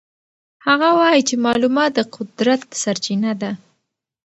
هغه وایي چې معلومات د قدرت سرچینه ده.